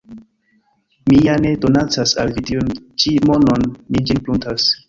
Mi ja ne donacas al vi tiun ĉi monon, mi ĝin pruntas.